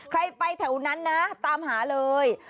ใครไปแถวนั้นนะตามหาเลย